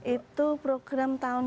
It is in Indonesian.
itu program tahun dua ribu enam belas